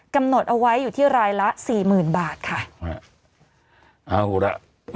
กำหนดเอาไว้อยู่ที่รายละสี่หมื่นบาทค่ะเอาละ